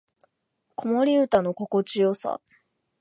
子守唄の心地よさ